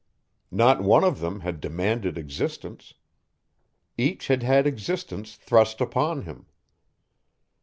Not one of them had demanded existence. Each had had existence thrust upon him.